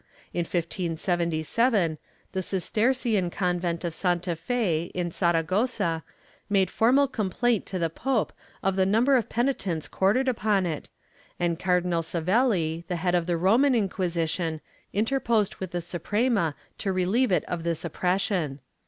In 1577 the Cistercian convent of Santa Fe, in Saragossa, made formal complaint to the pope of the number of penitents quartered upon it, and Cardinal Savelli, the head of the Roman Inquisition, interposed with the Suprema to relieve it of this oppression.